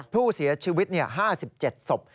ผู้เสียชีวิต๕๗ศพ